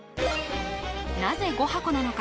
なぜ５箱なのか？